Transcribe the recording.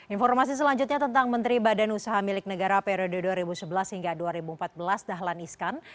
informasi selanjutnya tentang menteri badan usaha milik negara periode dua ribu sebelas hingga dua ribu empat belas dahlan iskan